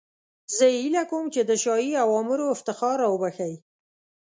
زه هیله کوم چې د شاهي اوامرو افتخار را وبخښئ.